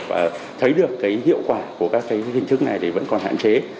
và thấy được hiệu quả của các hình thức này vẫn còn hạn chế